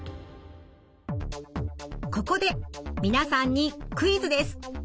ここで皆さんにクイズです。